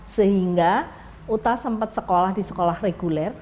sehingga uta sempat sekolah di sekolah reguler